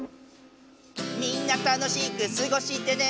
「みんな楽しくすごしてね」